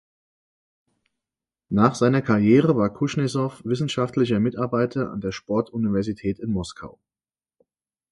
Nach seiner Karriere war Kusnezow wissenschaftlicher Mitarbeiter an der Sportuniversität in Moskau.